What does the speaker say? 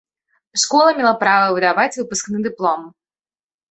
Школа мела права выдаваць выпускны дыплом.